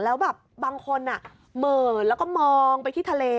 แล้วแบบบางคนเหม่อแล้วก็มองไปที่ทะเล